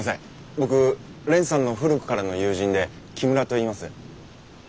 僕蓮さんの古くからの友人で木村といいます。